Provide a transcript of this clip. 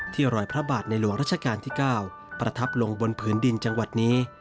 รอยพระบาทในหลวงรัชกาลที่๙ประทับลงบนผืนดินจังหวัดนี้